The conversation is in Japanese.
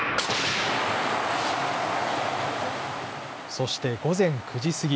そして午前９時過ぎ。